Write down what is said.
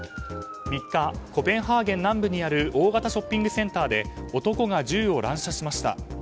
３日、コペンハーゲン南部にある大型ショッピングセンターで男が銃を乱射しました。